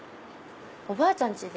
おばあちゃん